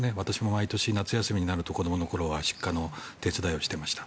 毎年夏休みになると子どもの頃は手伝いをしていました。